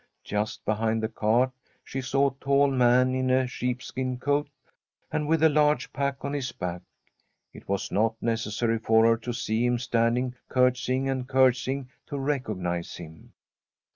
Just behind the cart she saw a tall man in a sheepskin coat, and with a large pack on his back. It was not necessary for her to see him standing curtsying and curtsying to recog nise him.